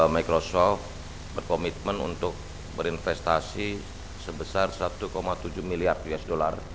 microsoft berkomitmen untuk berinvestasi sebesar satu tujuh miliar usd